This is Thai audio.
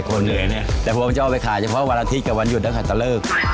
คนหนึ่งแต่ผมจะเอาไปขายเฉพาะวันอาทิตย์กับวันหยุดอเวลาขัดเตอร์เลิก